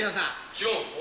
違うんですか？